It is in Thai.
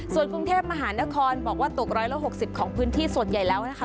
ส่วนกรุงเทพมหานครบอกว่าตก๑๖๐ของพื้นที่ส่วนใหญ่แล้วนะคะ